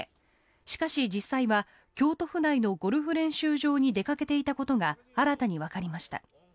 しかし、実際は京都府内のゴルフ練習場に出かけていたことが新たにわかりました。